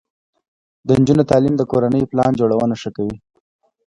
د نجونو تعلیم د کورنۍ پلان جوړونه ښه کوي.